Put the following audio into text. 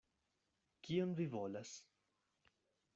Kion vi volas?